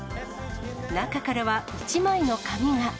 中からは、１枚の紙が。